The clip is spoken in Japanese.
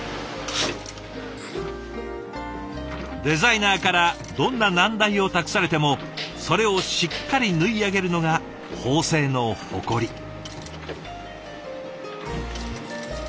デザイナーからどんな難題を託されてもそれをしっかり縫い上げるのが縫製の誇り。